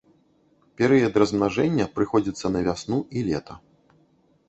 Перыяд размнажэння прыходзіцца на вясну і лета.